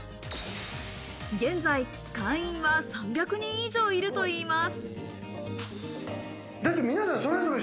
現在、会員は３００人以上いるといいます。